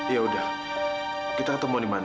yaudah kita ketemu di mana